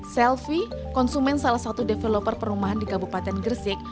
selvi konsumen salah satu developer perumahan di kabupaten gresik